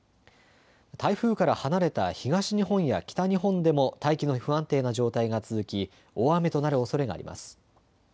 台風から離れた東日本や北日本でも、大気の不安定な状態が続き、大雨となるおそれがあります。